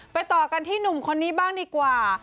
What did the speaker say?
ต่อกันที่หนุ่มคนนี้บ้างดีกว่า